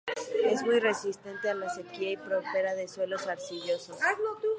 Es muy resistente a la sequía y prospera en suelos arcillosos.